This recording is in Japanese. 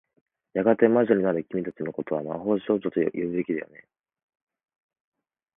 やがて魔女になる君たちの事は、魔法少女と呼ぶべきだよね。